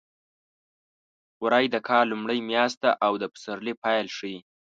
وری د کال لومړۍ میاشت ده او د پسرلي پیل ښيي.